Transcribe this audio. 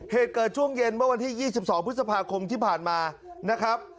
เหตุเกิดช่วงเย็นเมื่อวันที่๒๒พฤษภาคมที่ผ่านมานะครับ